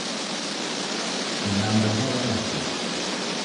Ibamba jaw'adwa kutu